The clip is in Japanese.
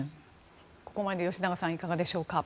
ここまでで吉永さん、いかがでしょうか。